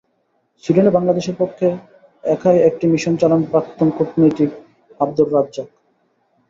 সুইডেনে বাংলাদেশের পক্ষে একাই একটি মিশন চালান প্রাক্তন কূটনীতিক আবদুর রাজ্জাক।